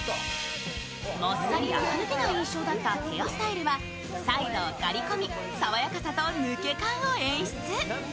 もっさりあか抜けない印象だったヘアスタイルはサイドを刈り込み、爽やかさと抜け感を演出。